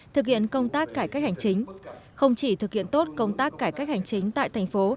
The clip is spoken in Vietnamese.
thực hiện công tác cải cách hành chính không chỉ thực hiện tốt công tác cải cách hành chính tại thành phố